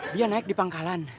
dia naik di pangkalan